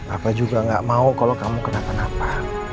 apa juga nggak mau kalau kamu kena apa apa